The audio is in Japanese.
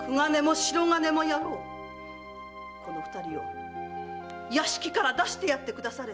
この二人を屋敷から出してやってくだされ！